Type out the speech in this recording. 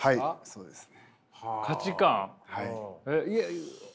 そうですね。